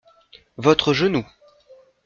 Votre genou.